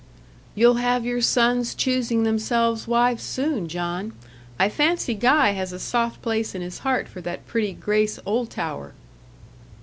"You'll have your sons choosing themselves wives soon, John. I fancy Guy has a soft place in his heart for that pretty Grace Oldtower."